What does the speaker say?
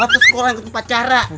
batu sekolah ikut pacara